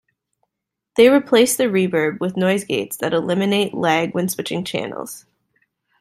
They replaced the reverb with noise gates that eliminate lag when switching channels.